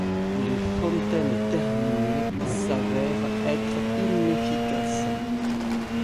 Les fontaines terminées s'avèrent être inefficaces.